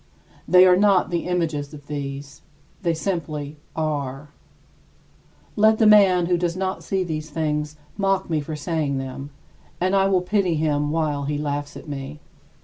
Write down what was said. They are not the images of these; they simply are. Let the man who does not see these things mock me for saying them; and I will pity him while he laughs at me.